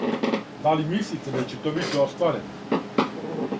Да ли мислите да ће то бити остварено?